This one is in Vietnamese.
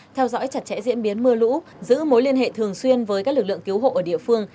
theo dõi chặt chẽ diễn biến mưa lũ giữ mối liên hệ thường xuyên với các lực lượng cứu hộ ở địa phương